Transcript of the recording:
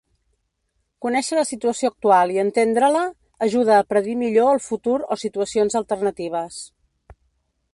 Conèixer la situació actual i entendre-la ajuda a predir millor el futur o situacions alternatives.